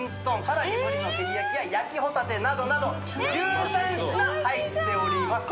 さらにぶりの照焼きや焼帆立などなど１３品入っております